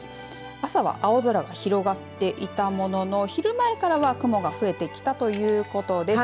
朝は青空が広がっていたものの昼前からは雲が増えてきたということです。